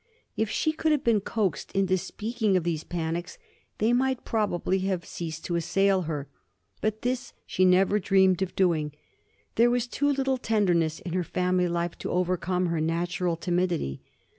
If she could have been coaxed into speaking of these panics, they might probably have ceased to assail her. But this she never dreamed of doing. There was too little tenderness in her family life to overcome her natural timidity.